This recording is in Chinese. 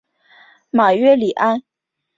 马约里安。